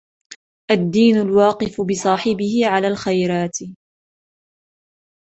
الدِّينُ الْوَاقِفُ بِصَاحِبِهِ عَلَى الْخَيْرَاتِ